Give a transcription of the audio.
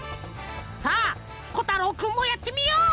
さあこたろうくんもやってみよう！